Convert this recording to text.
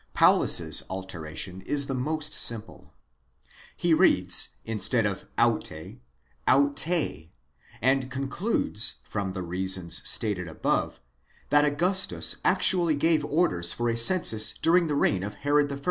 Paulus's alteration is. the most simple. He reads, instead of αὕτη, αὐτὴ, and concludes, from the reasons stated above, that Augustus actually gave orders for a census during the reign of Herod I.